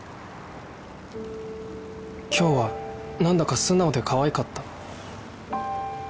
今日はなんだか素直でかわいかった